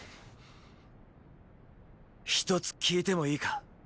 一つ聞いてもいいか？